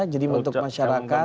jadi untuk masyarakat